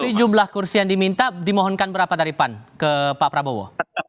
dari jumlah kursi yang diminta dimohonkan berapa dari pan ke pak prabowo